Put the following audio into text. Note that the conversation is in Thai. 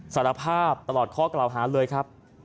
สารภาพตลอดข้อกล่าวหาเลยครับ